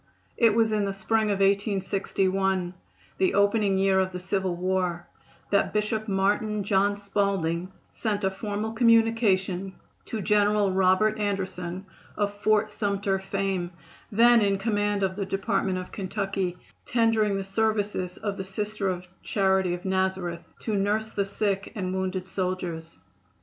It was in the spring of 1861, the opening year of the civil war, that Bishop Martin John Spalding sent a formal communication to General Robert Anderson, of Fort Sumter fame, then in command of the Department of Kentucky, tendering the services of the Sisters of Charity of Nazareth to nurse the sick and wounded soldiers.